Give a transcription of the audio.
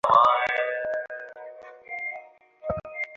ওকানোর স্ত্রী তাকে সন্দেহ করতে শুরু করে আর তাকে জিজ্ঞাসাবাদ করে।